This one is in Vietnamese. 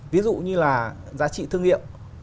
ví dụ như là giá trị thương hiệu